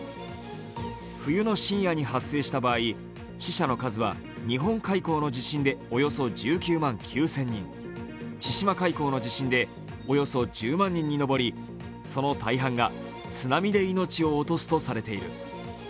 冬の深夜に発生した場合、死者の数は日本海溝の地震でおよそ１９万９０００人、千島海溝の地震でおよそ１０万人に上り、その大半が津波で命を落とすとされている。